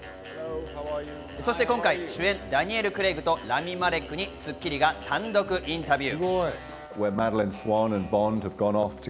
そして今回、主演のダニエル・クレイグとラミ・マレックに『スッキリ』が単独インタビュー。